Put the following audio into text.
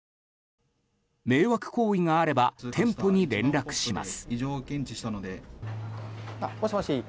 迷惑行為があれば店舗に連絡します。